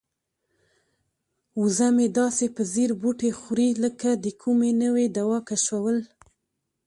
وزه مې داسې په ځیر بوټي خوري لکه د کومې نوې دوا کشفول.